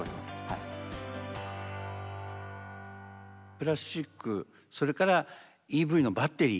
プラスチックそれからＥＶのバッテリー。